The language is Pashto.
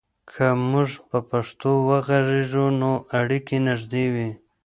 که موږ په پښتو وغږیږو، نو اړیکې نږدې وي.